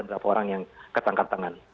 berapa orang yang ketangkap tangan